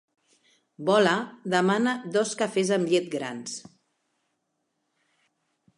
Vola demanar dos cafès amb llet grans.